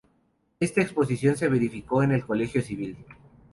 Esta exposición se verificó en el Colegio Civil.